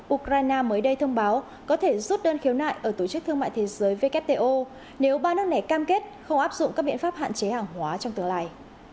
ukraine mới đây thông báo có thể rút đơn khiếu nại ở tổ chức thương mại thế giới wto nếu ba nước này cam kết không áp dụng các biện pháp hạn chế hàng hóa trong tương lai